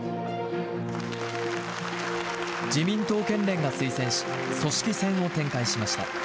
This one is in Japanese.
自民党県連が推薦し、組織戦を展開しました。